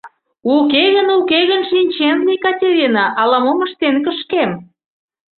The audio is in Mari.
Уке гын... уке гын, шинчен лий, Катерина: ала-мом ыштен кышкем!